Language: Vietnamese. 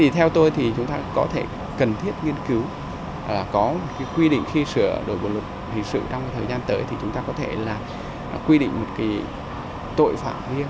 theo tôi thì chúng ta có thể cần thiết nghiên cứu có quy định khi sửa đổi bộ luật hình sự trong thời gian tới thì chúng ta có thể là quy định một tội phạm riêng